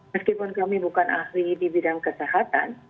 meskipun kami bukan ahli di bidang kesehatan